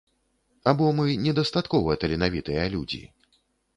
Або мы недастаткова таленавітыя людзі?